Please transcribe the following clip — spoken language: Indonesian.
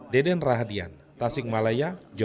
berita terkini mengenai cuaca ekstrem dua ribu dua puluh satu